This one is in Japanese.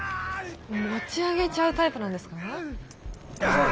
持ち上げちゃうタイプなんですか？